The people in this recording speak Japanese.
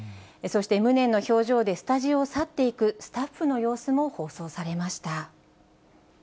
そして、無念の表情でスタジオを去っていくスタッフの様子も放送されました。